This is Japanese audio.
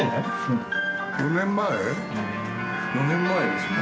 ４年前ですね。